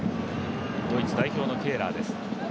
ドイツ代表のケーラーです。